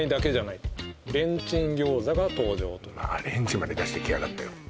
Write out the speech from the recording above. レンジまで出してきやがったよ